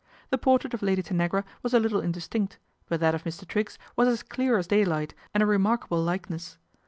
The portrait of Lady Tanagra was a little indis tinct ; but that of Mr. Triggs was as clear as day light, and a remarkable likeness.